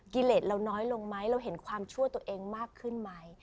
กิเลสเราน้อยลงไหมเราเห็นความชั่วตัวเองมากขึ้นไหม